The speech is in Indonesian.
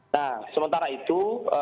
nah sementara itu